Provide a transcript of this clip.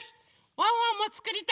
ワンワンもつくりたいです。